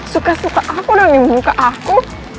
suka suka aku dong di muka aku